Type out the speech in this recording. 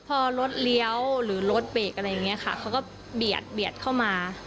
พอรถเลี้ยวหรือรถเบรกอะไรอย่างเงี้ยค่ะเขาก็เบียดเบียดเข้ามา